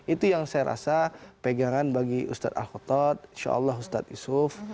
itu yang saya rasa pegangan bagi ustadz al khotod insya allah ustadz yusuf